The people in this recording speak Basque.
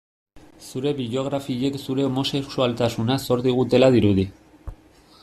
Zure biografiek zure homosexualtasuna zor digutela dirudi.